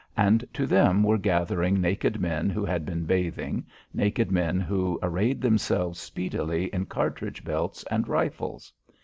And to them were gathering naked men who had been bathing, naked men who arrayed themselves speedily in cartridge belts and rifles.